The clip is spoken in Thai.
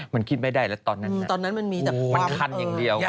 มันคิดไม่ได้แล้วตอนนั้นนะมันทันอย่างเดียวอืมอ๋อ